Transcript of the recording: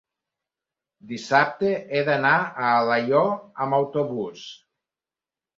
Dissabte he d'anar a Alaior amb autobús.